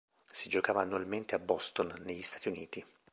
Si giocava annualmente a Boston negli Stati Uniti.